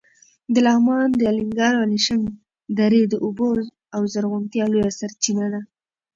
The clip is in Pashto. د لغمان د الینګار او الیشنګ درې د اوبو او زرغونتیا لویه سرچینه ده.